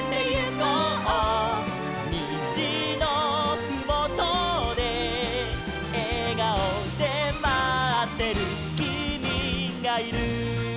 「にじのふもとでえがおでまってるきみがいる」